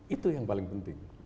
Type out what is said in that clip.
itu yang paling penting